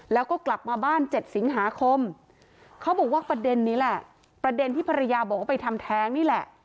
แล้วก็กลับมาบ้าน๗สิงหาคมเขาบอกว่าประเด็นนี้แหละประเด็นที่ภรรยาบอกว่าไปทำแท้งนี่แหละ